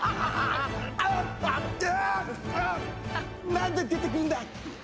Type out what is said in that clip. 何で出てくるんだ